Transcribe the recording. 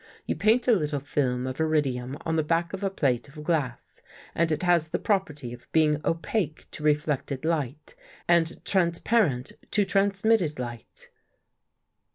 You paint a little film of Irridium on the back of a plate of glass and It has the prop erty of being opaque to reflected light and transpar ent to transmitted light."